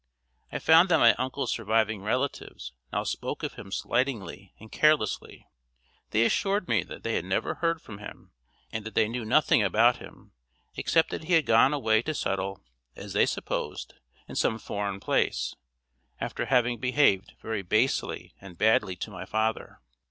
I found that my uncle's surviving relatives now spoke of him slightingly and carelessly. They assured me that they had never heard from him, and that they knew nothing about him, except that he had gone away to settle, as they supposed, in some foreign place, after having behaved very basely and badly to my father.